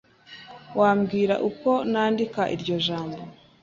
Wambwira uko nandika iryo jambo?